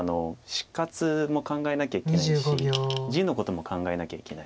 死活も考えなきゃいけないし地のことも考えなきゃいけない。